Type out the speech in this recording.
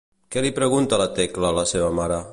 Què li pregunta la Tecla a la seva mare?